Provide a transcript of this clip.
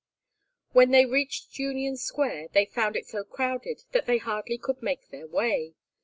When they reached Union Square they found it so crowded that they hardly could make their way.